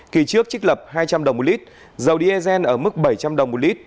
kỳ trước trích lập hai trăm linh đồng một lít dầu diesel ở mức bảy trăm linh đồng một lít